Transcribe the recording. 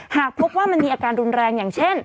หากพบว่ามันมีอาการรุนแรงอย่างเช่น